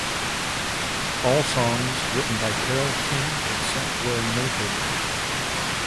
All songs written by Carole King except where noted.